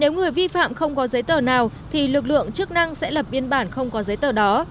nếu người vi phạm không có giấy tờ nào thì lực lượng chức năng sẽ lập biên bản không có giấy tờ đó